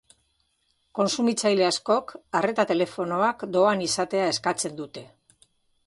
Kontsumitzaile askok arreta telefonoak doan izatea eskatzen dute.